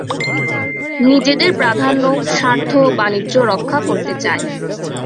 নিজেদের প্রাধান্য, স্বার্থ, বাণিজ্য রক্ষা করতে চায়।